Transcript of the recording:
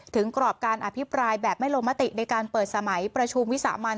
กรอบการอภิปรายแบบไม่ลงมติในการเปิดสมัยประชุมวิสามัน